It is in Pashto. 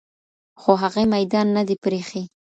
خو هغې میدان نه دی پرېښی.